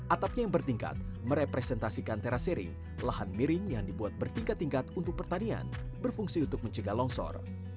atapnya yang bertingkat merepresentasikan teras sering lahan miring yang dibuat bertingkat tingkat untuk pertanian berfungsi untuk mencegah longsor